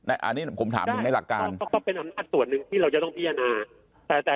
อันนี้ผมถามถึงในหลักการก็เป็นอำนาจส่วนหนึ่งที่เราจะต้องพิจารณา